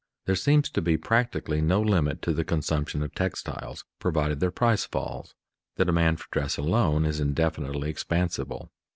There seems to be practically no limit to the consumption of textiles, provided their price falls; the demand for dress alone is indefinitely expansible.